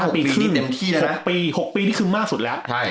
๕๖ปีนี่เต็มที่แล้วนะ๖ปีที่คือมากสุดแล้ว